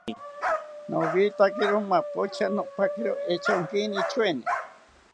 Nowitakironi mapocha, nopaquiri echonkini tyoeni